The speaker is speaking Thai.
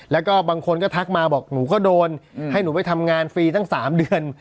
แล้วก็บางคนก็ทักมาบอกหนูก็โดนให้หนูไปทำงานฟรีตั้ง๓เดือน